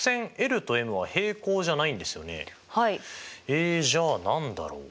えじゃあ何だろう？